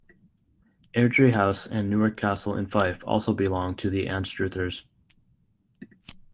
Airdrie House and Newark Castle in Fife also belong to the Anstruthers.